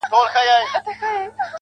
o اوس به ورته ډېر ،ډېر انـتـظـار كوم.